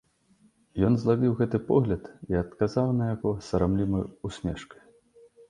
Ён злавіў гэты погляд і адказаў на яго сарамлівай усмешкай.